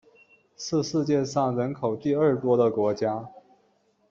是世界上人口第二多的国家。